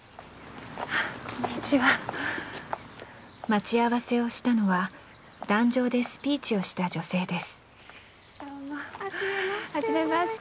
待ち合わせをしたのは壇上でスピーチをした女性ですはじめまして。